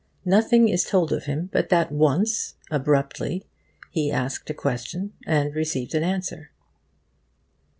Nothing is told of him but that once, abruptly, he asked a question, and received an answer.